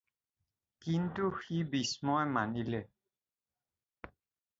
কিন্তু সি বিস্ময় মানিলে।